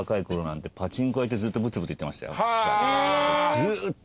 ずっと。